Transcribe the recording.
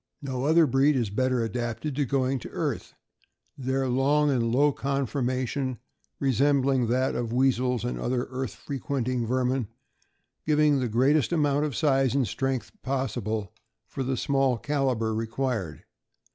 No other breed is better adapted to going to earth; their long and low conformation, resembling that of weasels and other earth frequenting vermin, giving the greatest amount of size and strength possible for the small "caliber" required.